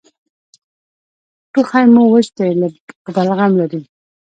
ټوخی مو وچ دی که بلغم لري؟